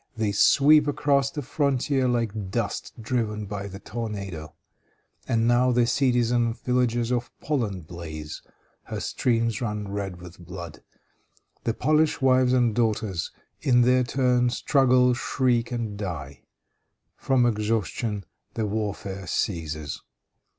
They sweep across the frontier like dust driven by the tornado. And now the cities and villages of Poland blaze; her streams run red with blood. The Polish wives and daughters in their turn struggle, shriek and die. From exhaustion the warfare ceases.